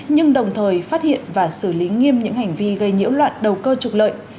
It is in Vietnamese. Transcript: nhưng đồng thời phát hiện và xử lý nghiêm những hành vi gây nhiễu loạn đầu cơ trục lợi